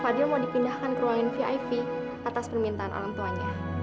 fadil mau dipindahkan ke ruang vip atas permintaan orang tuanya